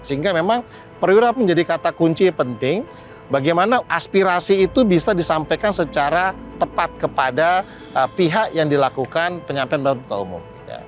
sehingga memang perwira menjadi kata kunci penting bagaimana aspirasi itu bisa disampaikan secara tepat kepada pihak yang dilakukan penyampaian menurut ketua umum